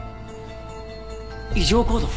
異常行動？